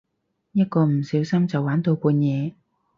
一個唔小心就玩到半夜